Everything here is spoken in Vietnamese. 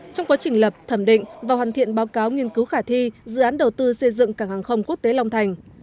trong quá trình lập thẩm định và hoàn thiện báo cáo nghiên cứu khả thi dự án đầu tư xây dựng cảng hàng không quốc tế long thành